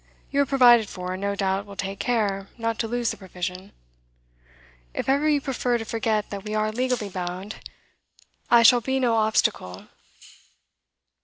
You are provided for, and no doubt will take care not to lose the provision. If ever you prefer to forget that we are legally bound, I shall be no obstacle.